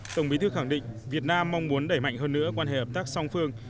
tổng bí thư khẳng định việt nam mong muốn đẩy mạnh hơn nữa quan hệ hợp tác song phương